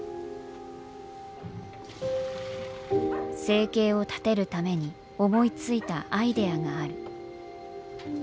生計を立てるために思いついたアイデアがある。